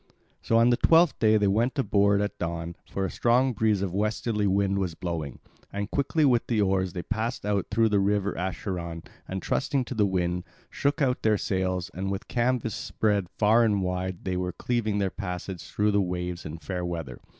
So on the twelfth day they went aboard at dawn, for a strong breeze of westerly wind was blowing. And quickly with the oars they passed out through the river Acheron and, trusting to the wind, shook out their sails, and with canvas spread far and wide they were cleaving their passage through the waves in fair weather.